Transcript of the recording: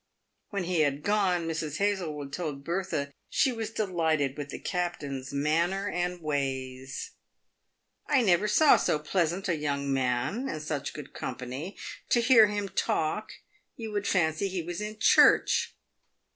When he had gone, Mrs. Hazlewood told Bertha she was de lighted with the captain's manner and ways. " I never saw so plea sant a young man, and such good company. To hear him talk, you would fancy he was in the Church.